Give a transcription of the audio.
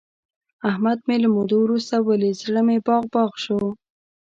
احمد مې له مودو ورسته ولید، زړه مې باغ باغ شو.